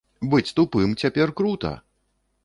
Быць тупым цяпер крута!